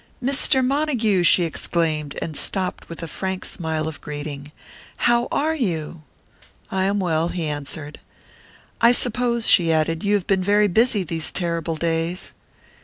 "Mr. Montague," she exclaimed, and stopped with a frank smile of greeting. "How are you?" "I am well," he answered. "I suppose," she added, "you have been very busy these terrible days."